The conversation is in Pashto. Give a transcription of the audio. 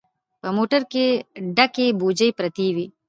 په موټر کې ډکې بوجۍ پرتې وې.